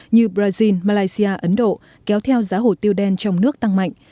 như brazil malaysia ấn độ kéo theo giá hồ tiêu đen trong nước tăng mạnh